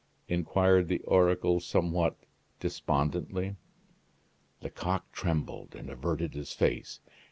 inquired the oracle somewhat despondently. Lecoq trembled and averted his face.